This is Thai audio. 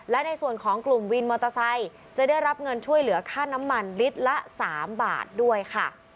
และในส่วนของกลุ่มวินมอเตอร์ไซค์จะได้รับเงินช่วยเหลือค่าน้ำมันลิตรละ๓บาทด้วยค่ะ